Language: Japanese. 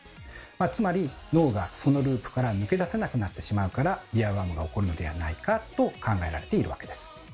つまり脳がそのループから抜け出せなくなってしまうからイヤーワームが起こるのではないかと考えられているわけです。